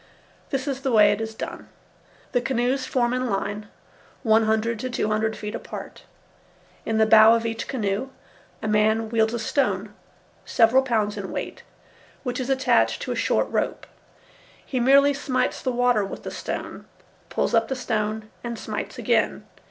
This is the way it is done. The canoes form in line, one hundred to two hundred feet apart. In the bow of each canoe a man wields a stone, several pounds in weight, which is attached to a short rope. He merely smites the water with the stone, pulls up the stone, and smites again.